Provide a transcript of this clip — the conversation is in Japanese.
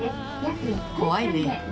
怖いね。